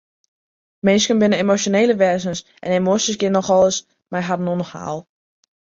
Minsken binne emosjonele wêzens en emoasjes geane nochal ris mei harren oan 'e haal.